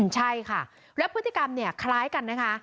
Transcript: ใช่ค่ะแล้วพฤติกรรมเนี่ยคล้ายกันนะคะ